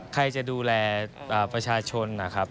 ใครจะดูแลประชาชนนะครับ